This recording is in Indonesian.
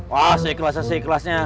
wah seikhlasnya seikhlasnya